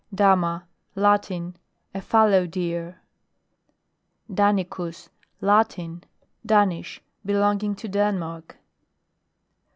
DAMA. Latin. A fallow deer. , DANICUS. Latin. Danish. Belong ing to Denmark.